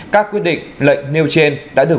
các quyết định lệnh nêu trên đã được